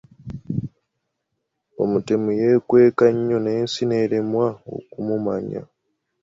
Omutemu yeekweka nnyo n'ensi n'eremwa okumumanya.